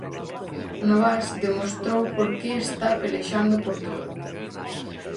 Novás demostrou por que está pelexando por todo.